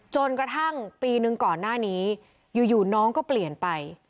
จนกระทั่งปีหนึ่งก่อนหน้านี้อยู่น้องก็เปลี่ยนไป